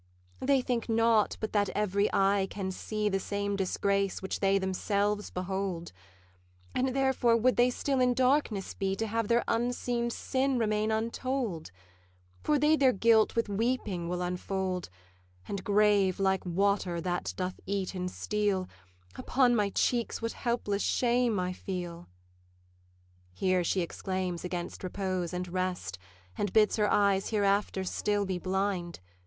'They think not but that every eye can see The same disgrace which they themselves behold; And therefore would they still in darkness be, To have their unseen sin remain untold; For they their guilt with weeping will unfold, And grave, like water that doth eat in steel, Upon my cheeks what helpless shame I feel.' Here she exclaims against repose and rest, And bids her eyes hereafter still be blind.